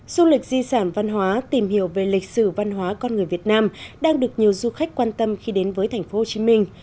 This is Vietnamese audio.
du lịch di sản văn hóa tìm hiểu về lịch sử văn hóa con người việt nam đang được nhiều du khách quan tâm khi đến với thành phố hồ chí minh